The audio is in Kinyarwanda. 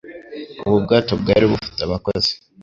Ubu bwato bwari bufite abakozi